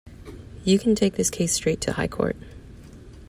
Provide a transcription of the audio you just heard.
You can take this case straight to the High Court.